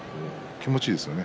気持ちいいですよね。